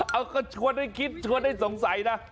เอาก็ชวนให้คิดชวนให้สงสัยนะ